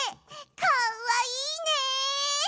かわいいよね！